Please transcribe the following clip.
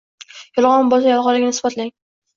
Yolg`on bo`lsa, yolg`onligini isbotlang